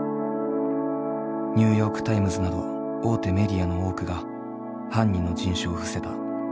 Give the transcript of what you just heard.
ニューヨークタイムズなど大手メディアの多くが犯人の人種を伏せた。